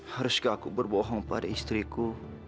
haruskah aku berbohong pada istriku